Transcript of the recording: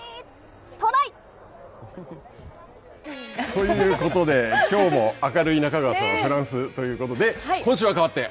トライ！ということで、きょうも明るい中川さん、フランスということで、今週は代わって。